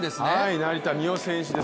成田実生選手です。